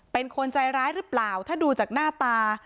เป็นคนใจร้ายหรือเปล่าถ้าดูจากหน้าตา